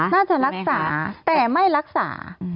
น่าจะรักษาแต่ไม่รักษา